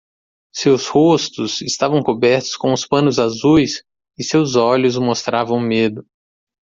Seus rostos estavam cobertos com os panos azuis? e seus olhos mostravam medo.